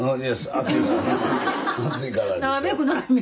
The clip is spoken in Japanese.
暑いからね。